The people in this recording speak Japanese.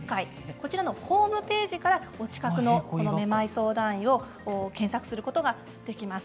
こちらのホームページからお近くのこのめまい相談医を検索することができます。